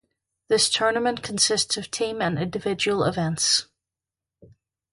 This tournament consists of team and individual events.